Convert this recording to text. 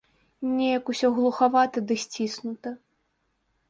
Неяк усё глухавата ды сціснута.